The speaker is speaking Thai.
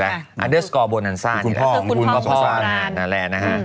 คือคุณพ่อของคุณพ่อสองราน